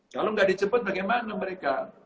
kalau gak dijemput bagaimana mereka